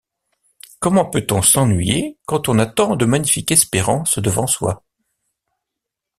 Comment peut-on s’ennuyer quand on a tant de magnifiques espérances devant soi...